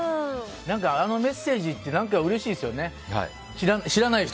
何かあのメッセージってうれしいですよね。